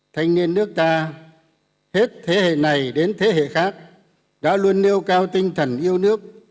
thanh niên nước ta hết thế hệ này đến thế hệ khác đã luôn nêu cao tinh thần yêu nước